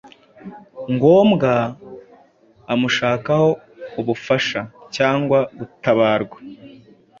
ngombwa amushakaho ubufasha.cyangwa gutabarwa